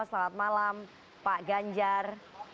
selamat malam pak ganjar